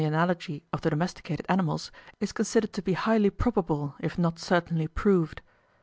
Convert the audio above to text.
54]] analogy of the domesticated animals, is considered to be highly probable, if not certainly proved.